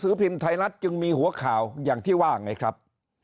พิมพ์ไทยรัฐจึงมีหัวข่าวอย่างที่ว่าไงครับ